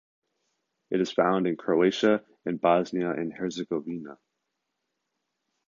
It is found in Croatia and Bosnia and Herzegovina.